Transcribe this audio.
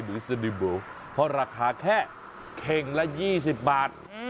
เพราะราคาแค่เข่งละ๒๐บาท